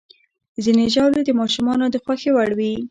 ځینې ژاولې د ماشومانو د خوښې وړ وي.